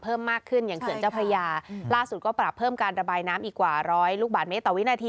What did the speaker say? เพิ่มมากขึ้นอย่างเขื่อนเจ้าพระยาล่าสุดก็ปรับเพิ่มการระบายน้ำอีกกว่าร้อยลูกบาทเมตรต่อวินาที